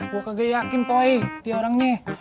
gue kagak yakin poh ya orangnya